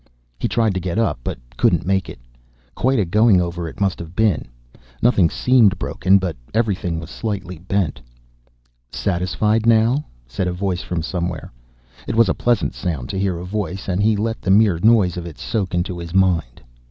He tried to get up, but couldn't make it. Quite a going over it must have been. Nothing seemed broken, but everything was slightly bent. "Satisfied now?" said a voice from somewhere. It was a pleasant sound to hear, a voice, and he let the mere noise of it soak into his mind.